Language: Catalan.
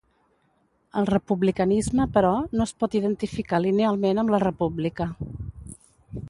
El republicanisme, però, no es pot identificar linealment amb la república.